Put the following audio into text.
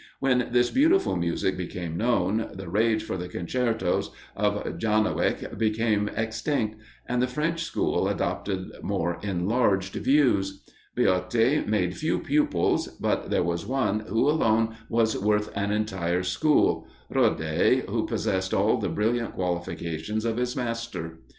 When this beautiful music became known, the rage for the concertos of Jarnowick became extinct, and the French school adopted more enlarged views. Viotti made few pupils; but there was one who alone was worth an entire school: Rode, who possessed all the brilliant qualifications of his master.